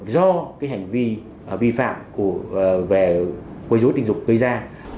do hành vi vi phạm về quấy rối tình dục gây ra